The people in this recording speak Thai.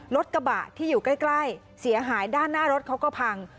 รถกระบะที่อยู่ใกล้เสียหายด้านหน้ารถเขาก็พัง